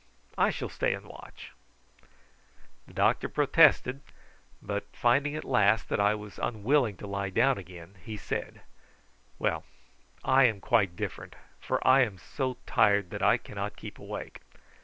I shall stay and watch." The doctor protested, but finding at last that I was unwilling to lie down again, he said: "Well, I am quite different, for I am so tired that I cannot keep awake.